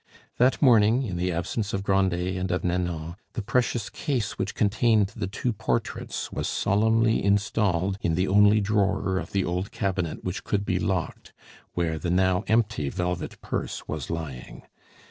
That morning, in the absence of Grandet and of Nanon, the precious case which contained the two portraits was solemnly installed in the only drawer of the old cabinet which could be locked, where the now empty velvet purse was lying.